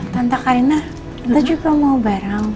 tante karina tante juga mau bareng